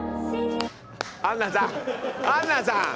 アンナさんアンナさん！